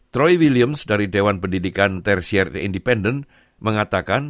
troy williams dari dewan pendidikan tersier independent mengatakan